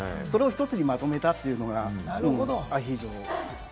それを一つにまとめたというのがアヒージョですね。